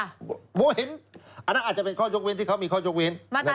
หัวหินอันนั้นอาจจะเป็นข้อยกเว้นที่เขามีข้อยกเว้น